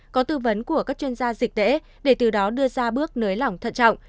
có tư vấn của các chuyên gia dịch tễ để từ đó đưa ra bước nới lỏng thận trọng